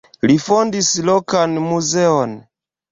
Li fondis lokan muzeon.